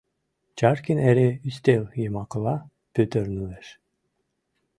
Чаркин эре ӱстел йымакыла пӱтырнылеш.